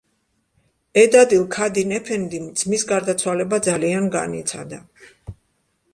ედადილ ქადინ ეფენდიმ ძმის გარდაცვალება ძალიან განიცადა.